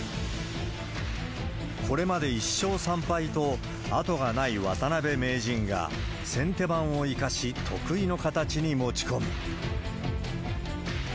これまで１勝３敗と後がない渡辺名人が、先手番を生かし、得意の形に持ち込む。